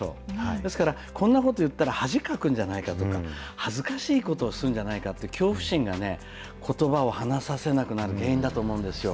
ですからこんなこと言ったら、恥かくんじゃないかとか恥ずかしいことをするんじゃないかという恐怖心がね、ことばを話させなくなる原因だと思うんですよ。